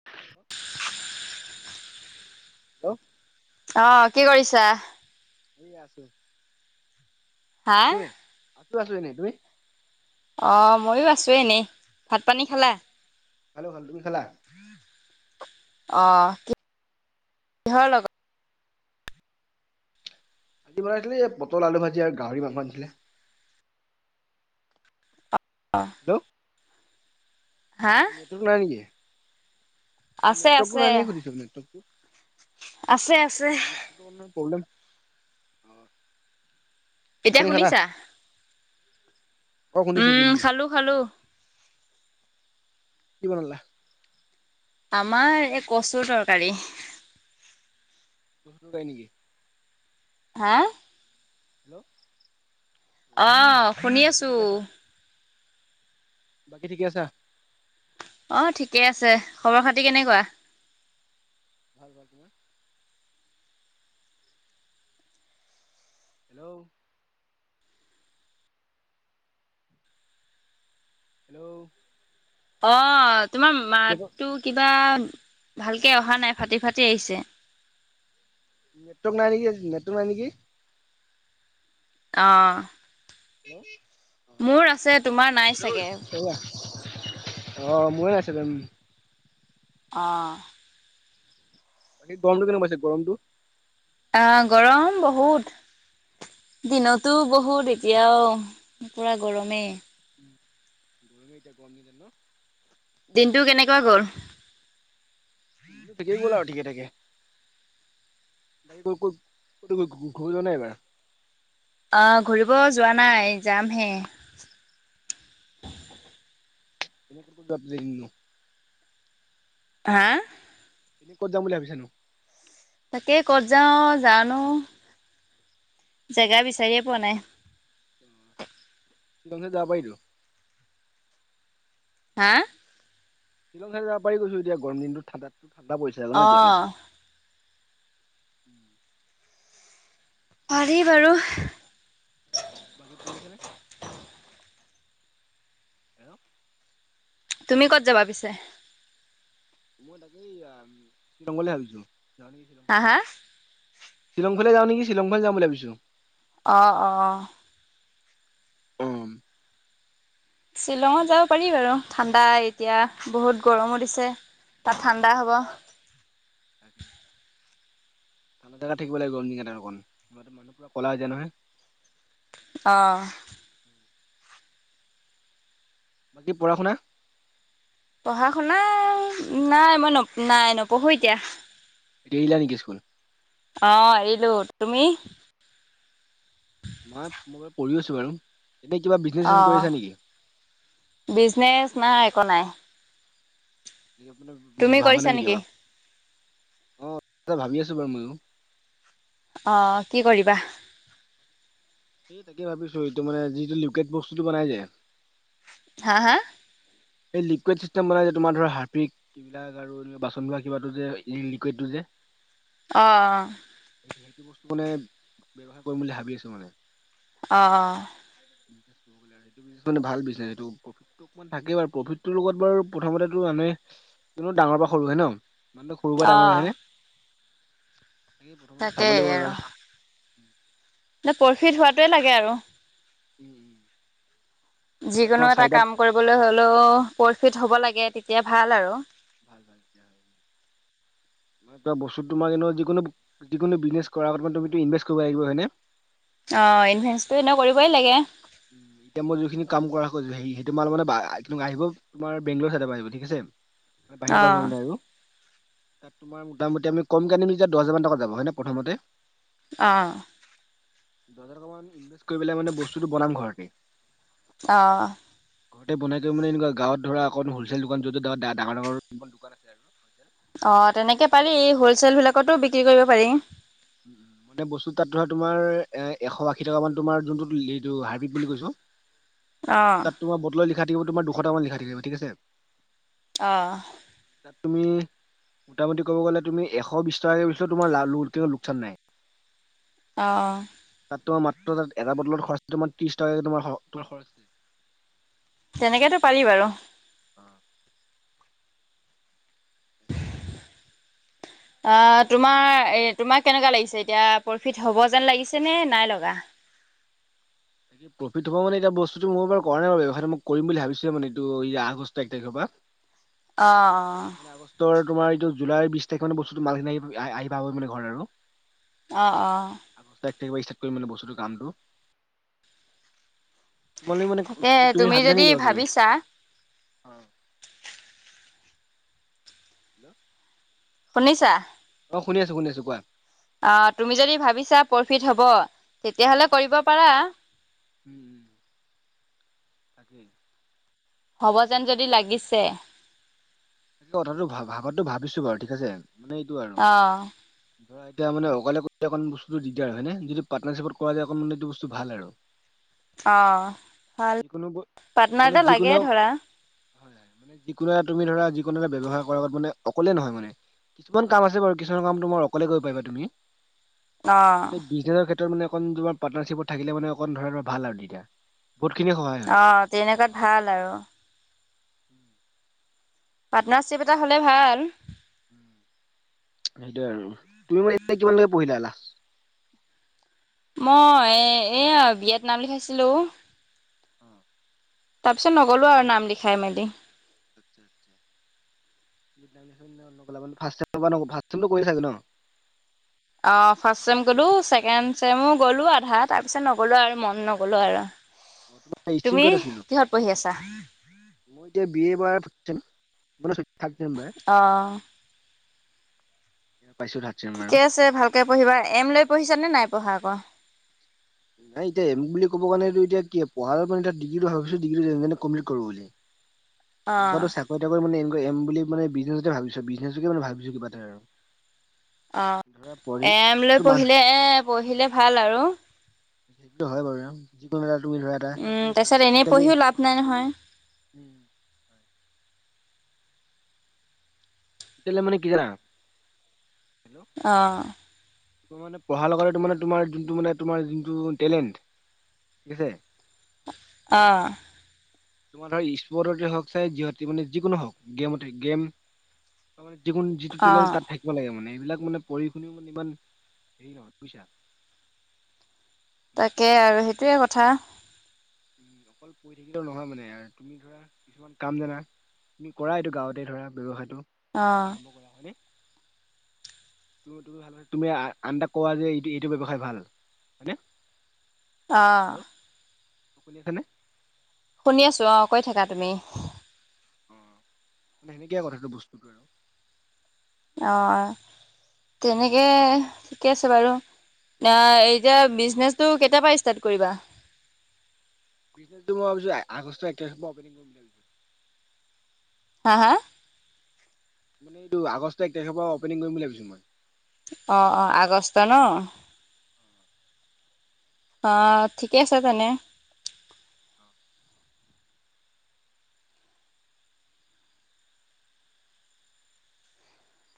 [inaudible] [unintelligible] অ', কি কৰিছা? এই আছো, হা? [inaudible] এনেই তুমি? অঁ', ময়ো আছো এনেই, ভাত পানী খালা। খালো খালো তুমি খালা। অ', কি কিহৰ লগত? ভাজি বনাইছিলে, এই পটল আলু ভাজি আৰু গাহৰি মাংস আনিছিলে। আঁ হেল্ল'? নেটৱৰ্ক নাই নেকি? আছে নেটৱৰ্কটো আছে, নাই নেকি সুধিছো, নেটৱৰ্কটো? আছে আছে। প্ৰব্লেম এতিয়া আপুনি খালা শুনিছা? অ', শুনিছো উম, শুনিছো, খালো খালো। কি বনালা? আমাৰ এই কচুৰ তৰকাৰী। সুদাই নেকি? হা'? হেল্ল'? অ অঁ, শুনি বাকী আছোঁ। ঠিকে আছা বাকী ঠিকে আছা? অঁ ঠিকে আছে, খবৰ খাতি কেনেকুৱা? ভাল, ভাল তোমাৰ? হেল্ল'? হেল্ল'? অ' তোমাৰ নেটৱৰ্ক মাততো কিবা ভালকে অহা নাই ফাটি ফাটি আহিছে। নেটৱৰ্ক নাই নেকি নেটটো নাই নেকি? অ'। হেল্ল'? মোৰ আছে, তোমাৰ নাই চাগে। অঁ ময়ো আছিলোঁ দে। অ'। বাকী গৰমটো কেনেকুৱা পাইছে গৰমটো? আহ গৰম বহুত। দিনতো বহুত এতিয়াও পুৰা গৰমেই। উ গৰমে এতিয়া গৰম ন য ন [unintelligible] দিনটো কেনেকুৱা গ'ল? ঠিকেই গ'ল আৰু ঠিকে থাকে। এইবাৰ ক'তো ঘূৰিবলে যোৱা নাই এইবাৰ? অঁ ঘূৰিব যোৱা নাই যামহে। ডাব্লিং। হা'? ক'ত যাম বুলি ভাবিছানো? তাকেই ক'ত যাওঁ জানো, জেগা বিচাৰিয়ে পোৱা নাই। এইকন জেগাত যাব পাৰিটো। হা'? শিলং চাইডত যাব পাৰি কৈছো এতিয়া গৰমদিন ঠাণ্ডাত ঠাণ্ডা পৰিছে ন এতিয়া অ' অলপ। পাৰি বাৰু? বাকী পঢ়িছা নে? হেল্ল? তুমি ক'ত যাবা পিছে? যি তাকে অ, শ্বিলঙলৈ ভাবিছো [inaudible] হা, হা? শ্বিলঙফালে যাওঁ নেকি? শ্বিলঙফালে যাম বুলি ভাবিছোঁ। অ, অ। উম, শ্বিলঙত যাব পাৰি বাৰু ঠাণ্ডা এতিয়া। বহুত গৰমো দিছে। তাত ঠাণ্ডা হ'ব। ভালে জাগাত থাকিব লাগিব। [unintelligible] কলা হৈ যায় নহয়। অ, বাকী পঢ়া-শুনা। পঢ়া শুনা নাই, মই ন নাই, নপঢ়ো এতিয়া। এৰিলা নেকি স্কুল? অ, এৰিলোঁ। তুমি? মই, মই বাৰু পঢ়িও আছোঁ বাৰু, এনে কিবা বিজনেছ-চিজনেছ কৰি আছা নেকি? বিজনেছ নাই একো নাই? তুমি [inaudible] ভাবা কৰিছা নাই নেকি বাৰু। অঁ ভাবি আছোঁ বাৰু ময়ো। অ কি কৰিবা? সেই তাকে ভাবিছোঁ, এইটো মে যিটো লোকেট বস্তু বনাই যে, হা হা? এই লিকুইড চিষ্টেম বনাই যে তোমাৰ ধৰা হাৰ্পিক, এইবিলাক আৰু [unintelligible] বাচন ধোৱা কিবাটো যে লি-লিকুইড টো যে। অ অ। এই সেইটো বস্তু মানে, ব্যৱহাৰ কৰিম বুলি ভাবি আছোঁ মানে। অ অ। [unintelligible] এইটো ভাল বিজনেছ এইটো প্ৰফিতটো অকমান থাকে বাৰু। প্ৰফিতটোৰ লগত বাৰু প্ৰথমতেটো এনে ডাঙৰ বা সৰুয়ে ন। ইমানটো সৰুৰ পৰাৰ ডাঙৰ অ' হয়নে? সেই প্ৰথমতে চাব তাকেই লাগিব এবাৰ। এই প্ৰফিট হোৱাটোৱে লাগে আৰু। উম উম। তাৰপৰা যিকোনো তোমাক এটা চাৰিটা কাম কৰিবলৈ হ'লেও প্ৰফিট হ'ব লাগে। তেতিয়া ভাল আৰু। ভাল ভাল দিয়া। কিবা বস্তু তোমাক এনেও যিকোনো, যিকোনো বিজনেছ কৰা আগত মানে তুমিটো ইনভেষ্ট কৰিব লাগিব। হয়নে? অ, ইনভেষ্টটো এনেও কৰিবই লাগে। উম, এতিয়া মই যিখিনি কাম কৰা হ'ল [unintelligible] তোমাৰ বেংলোৰ চাইডৰ পৰা আহিব ঠিক আছে। অ' [unintelligible] তোমাৰ মুটামুটি আমি [unintelligible] দহ হাজাৰ টকা যাব হয়নে প্ৰথমতে? অ। দহ হাজাৰ টকা মান ইনভেষ্ট কৰিব পেলে মানে বস্তুটো বনাম ঘৰতে। অ। ঘৰতে বনাই [unintelligible] মানে এনেকুৱা গাঁৱত ধৰা এখন হ'লছেল দোকান য'ত-য'ত ডা-ডাঙৰ ডাঙৰ দোকান আছে আৰু। অ তেনেকে পাৰি হ'লচেল বিলাকতো বিক্ৰী কৰিব পাৰি। গোটেই বস্তু তাত ধৰা তোমাৰ এ এশ আশী টকা মান তোমাৰ যোনটোটো লিটো হাৰ্পিক বুলি কৈছোঁ। অ' তাত তোমাৰ বটলত লিখা থাকিব, তোমাৰ দুশ টা মান লিখা থাকিব ঠিক আছে। অঁ। তাত তুমি, মোটামুটি ক'ব গ'লে তুমি এশ বিশ টকাকে বেচিলেও তোমাৰ লাভ [unintelligible] চেন্নাই। অহ। [unintelligible] তেনেকেতো পাৰি বাৰু। অহ। উম। আহ, তোমাৰ এ তোমাক কেনেকুৱা লাগিছে, এতিয়া প্ৰফিট হ'ব যেন লাগিছেনে নাই লগা? তাকে প্ৰফিট হ'ব মানে এতিয়া বস্তুটো মই বাৰু কৰা নাই বাৰু ব্যৱসায়টো, কৰিম বুলি ভাবিছোঁ মানে এইটো এই আগষ্ট এক তাৰিখৰ পৰা। [unintelligible] অহ', অ'। মানে আগষ্টৰ তোমাৰ এইটো জুলাই বিশ তাৰিখ মান বস্তুতো মালখিনি আহি-আহ-আহি পাব মানে ঘৰত আৰু। অহ', অহ'। আগষ্টৰ এক তাৰিখৰ পৰা ষ্টাৰ্ট কৰিম মানে বস্তুটো কামটো। তোমালোক মানে, তাকে তুমি ভাবিছানে যদি কিবা-কিবি। ভাবিছা হেল্ল'। শুনিছা? অহ, শুনি আছোঁ, শুনি আছোঁ। কোৱা? অহ, তুমি যদি ভাবিছা প্ৰফিট হ'ব, উম তেতিয়াহ'লে কৰিব পাৰা। উম, তাকেই। হ'ব যেন যদি লাগিছে। তাকে কথাটো ভা-ভাবাতো ভাবিছো বাৰু ঠিক আছে, মানে এইটো আৰু। অ'। ধৰা এতিয়া মানে অকলে অকণ বস্তুটো দিগদাৰ আৰু হয়েনে? যদি পাৰ্নাৰশ্বিপত কৰা যায় অকনমান ইটো বস্তুটো ভাল আৰু। [unintelligible] অহ, ভাল। যিকোনো ব পাৰ্টনাৰ মানে এটা লাগে যিকোনো ধৰা। হয়, হয়। মানে যিকোনো এটা তুমি ধৰা যিকোনো এটা ব্যয়ৱসাৰ কৰা আগত মানে অকলে নহয় মানে। কিছুমান কাম আছে বাৰু, কিছুমান কাম তোমাৰ অকলে কৰিব পাৰিবা তুমি। অ'। মানে বিজনেছৰ ক্ষেত্ৰত মানে অকণ তোমাৰ পাৰ্টনাৰশ্বিপত থাকিলে মানে অকণ ধৰা ধৰা ভাল আৰু তেতিয়া। বহুতখিনি সহায় হয়। অ', তেনেকুৱাত ভাল আৰু। পাৰ্টনাৰশ্বিপ এটা হ'লে ভাল। সেইটোয়ে আৰু। তুমি এতিয়া কিমান লৈ পঢ়িলা লাষ্ট? মই এইয়া, বি এ ত নাম লিখাইছিলোঁ। উম। তাৰপিছত নগ'লোঁ আৰু নাম লিখাই মেলি। আচ্ছা, আচ্ছা। [unintelligible] ফাষ্ট পৰা নগ'লা, ফাৰ্ষ্ট ছেমটো কৰিলা চাগে ন'। অহ, ফাৰ্ষ্ট ছেম গ'লো, ছেকেণ্ড গ'লো আধা, তাৰপিছত নগ'লো আৰু মন নগ'লো আৰু। তোমাৰ ষ্ট্ৰীম তুমি কিহত আছিল নো? কিহত পঢ়ি আছা? মই এতিয়া বি এ এবাৰ থাৰ্ড ছেম [unintelligible] মানে থাৰ্ড ছেম এবাৰ। অ', পাইছোঁ ঠিকে আছে ভালকৈ পঢ়িবা। এম লৈ পঢ়িছানে নাই পঢ়া আকৌ? নাই এতিয়া এম বুলি কব কাৰণ এতিয়া কি পঢ়াৰ কাৰ এ ডিগ্ৰীটো ভাবিছোঁ, ডিগ্ৰীটো যেনেকে কমপ্লিট কৰিব বুলি। অ', এনেকুৱাত চাকৰি-তাকৰি মানে এনেকুৱা এম বুলি মানে বিজনেছতে ভাবিছোঁ বিজনেছকে ভাবিছোঁ কিবা এটা আৰু। অহ। ধৰা পঢ়ি এম লৈ এইটোতো মা পঢ়িলে, পঢ়িলে ভাল আৰু। সেইটো হয় বাৰু, যিকোনো এটা তুমি ধৰা এটা উম, তাৰপিছত এনেই আজিকালি পঢ়িও লাভ নাই নহয় উম'। কেলে মানে কি জানা? অ'। মানে পঢ়া লগতে মানে তোমাৰ যোনটো মানে তোমাৰ যোনটো টেলেণ্ট। কেছে। অ'। তোমাৰ ধৰ স্পৰ্টতে হওঁক চাই, যিহ মানে যিকোনো হওঁক গেমতে, গেম। ত মানে যিকোন যিটো টেলেণ্ট অ'। তাত থাকিব লাগে মানে, এইবিলাক মানে পঢ়ি শুনিও মানে ইমান হেৰি নহয় বুইছা। তাকে আৰু সেইটোৱে কথা। উম' অকল কৈ থাকিলেও নহয় মানে আৰু তুমি ধৰা। কিছুমান কাম জানা, তুমি কৰা এইটো গাঁৱতে ধৰা ব্যৱসায়টো, অ', আৰম্ভ কৰা, হয়নে? তুমি আন এটাক কোৱা যে, এইটো এইটো ব্যৱসায় ভাল। হয়নে? অ'। হেল্ল', শুনিছে নে? শুনি আছো অ', কৈ থাকা তুমি। অঁ, মানে সেনেকে কথাটো বস্তুটো আৰু। অ' তেনেকে ঠিকে আছে বাৰু। আ এতিয়া বিচনেছটো কেইটাৰ পা ষ্টাৰ্ট কৰিবা? বিজনেছটো মই ভাবিছো আগষ্টৰ এক তাৰিখৰ পৰা অপেনিং কৰিম। ভাবিছো হা, হা? মানে এইটো আগষ্ট এক তাৰিখৰ পৰা অপেনিং কৰি বুলি ভাবিছো মই। অঁ অঁ আগষ্ট ন'? অঁ ঠিকে আছে তেনে।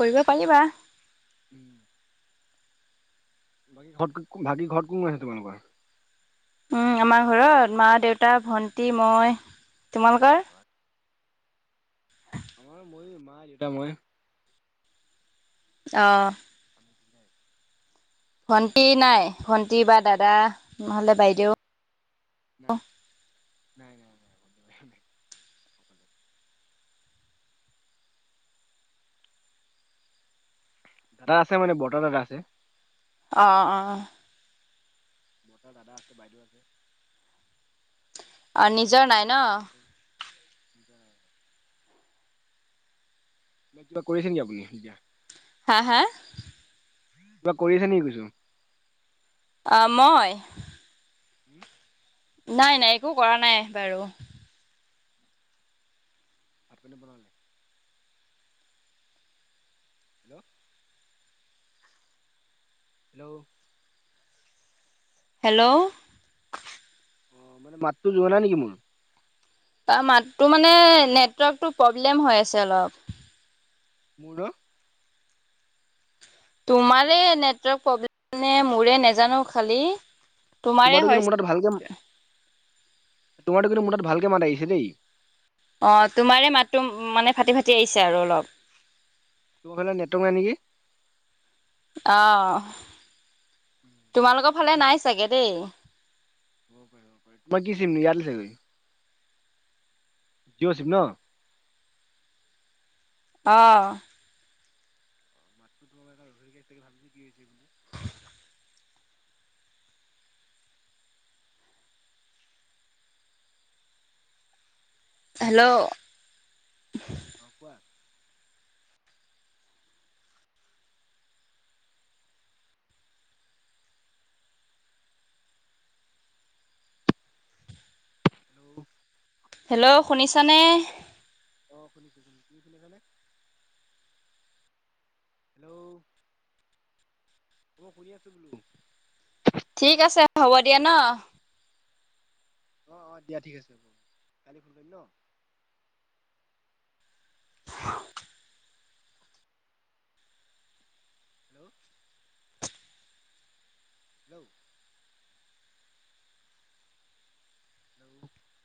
কৰিব পাৰিবা। বাকী ঘৰত কোন কোন আছে তোমালোকৰ? উম, আমাৰ ঘৰত মা-দেউতা, ভণ্টি, মই, তোমালোকৰ? আমাৰ মই, মা-দেউতা, মই। অঁ। ভণ্টি নাই, ভন্টি বা দাদা, নহ'লে বাইদেউ? নাই নাই, নাই, নাই, নাই। দাদা আছে মানে, বৰ্তাৰ দাদা আছে। অ', অ'। বৰ্তাৰ দাদা আছে, বাইদেউ আছে। অঁ নিজৰ আজিম নাই ন [unintelligible] কিবা কৰি আছে নেকি, আপুনি এতিয়া? হা, হা? কিবা কৰি আছা নি কৈছো? অঁ মই? উম'। নাই, নাই, একো কৰা নাই বাৰু। ভাত পানী বনালে? হেল্ল'? হেল্ল'? হেল্ল'? অ মানে মাততো যোৱা নাই নেকি মোৰ? তাৰ মাতটো মানে, নেটৱৰ্কটো প্ৰব্লেম হৈ আছে অলপ। [unintelligible] হেল্ল তোমাৰে নেটৱৰ্ক প্ৰব্লেম নে? মোৰে নেজানো খালী কিন্ত মোৰ তাত ভালকে তোমাৰটো কিন্তু মোৰ তাত ভালকে মাত আহিছে দেই। অ' তোমাৰে মাতটো মানে ফাটি ফাটি আহিছে আৰু অলপ। নেটৱৰ্ক নাই নেকি? অ' তোমালোকৰ ফালে নাই চাগে দেই। [inaudible] [unintelligible] [unintelligible] অ' [unintelligible] হেল্ল' কোৱা হেল্ল' হেল্ল' শুনিছানে? [unintelligible] [inaudible] মই শুনি আছো বোলো। ঠিক আছে হ'ব দিয়া ন'। অ' দিয়া ঠিক আছে, কালি ফোন কৰিম ন'। [inaudible] [inaudible] [inaudible] [inaudible]